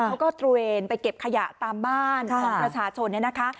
เขาก็เตรียญไปเก็บขยะตามบ้านค่ะของประชาชนเนี้ยนะคะ